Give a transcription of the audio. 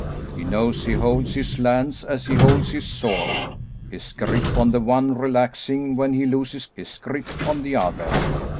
He knows he holds his lands as he holds his sword, his grip on the one relaxing when he loses his grip on the other.